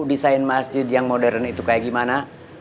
desain masjid yang modern itu kayak gimana